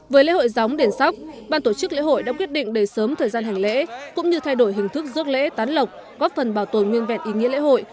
với lễ hội gióng đền sóc ban tổ chức lễ hội đã quyết định đầy sớm thời gian hành lễ cũng như thay đổi hình thức rước lễ tán lọc góp phần bảo tồn nguyên vẹn ý nghĩa lễ hội